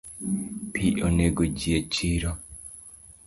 Pi onego ji echiro